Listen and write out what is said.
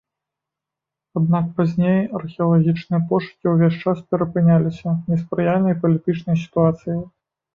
Аднак пазней археалагічныя пошукі увесь час перапыняліся неспрыяльнай палітычнай сітуацыяй.